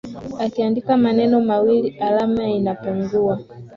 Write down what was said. Ukiandika maneno mawili alama inapungua.